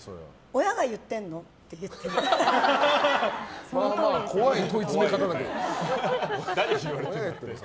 親が言ってんの？って言ってます。